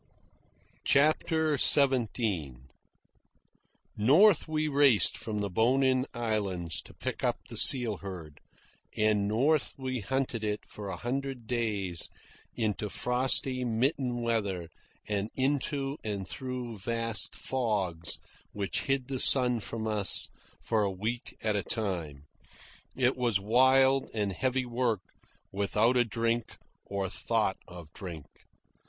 CHAPTER XVII North we raced from the Bonin Islands to pick up the seal herd, and north we hunted it for a hundred days into frosty, mitten weather and into and through vast fogs which hid the sun from us for a week at a time. It was wild and heavy work, without a drink or thought of drink.